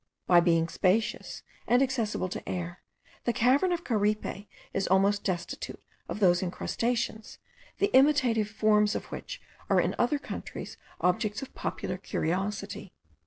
By being spacious, and accessible to air, the cavern of Caripe is almost destitute of those incrustations, the imitative forms of which are in other countries objects of popular curiosity.